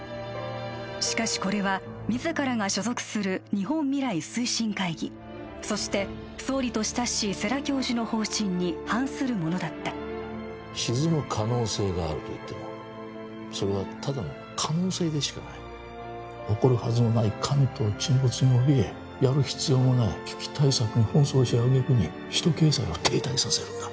しかしこれは自らが所属する日本未来推進会議そして総理と親しい世良教授の方針に反するものだった沈む可能性があるといってもそれはただの可能性でしかない起こるはずもない関東沈没におびえやる必要もない危機対策に奔走し揚げ句に首都経済を停滞させるんだ